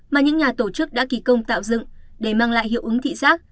mà những nhà tổ chức đã kỳ công tạo dựng để mang lại hiệu ứng thị xác